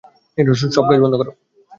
সব কাজ বন্ধ কর।